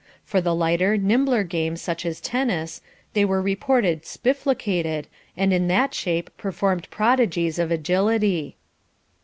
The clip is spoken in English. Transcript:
For the lighter, nimbler games such as tennis, they were reported "spifflocated" and in that shape performed prodigies of agility.